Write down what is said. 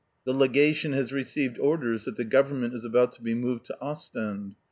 The Legation has received orders that the Government is about to be moved to Ostend.